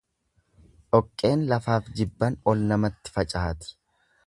Dhoqqeen lafaaf jibban ol namatti facaati.